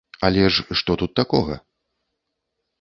Але ж што тут такога?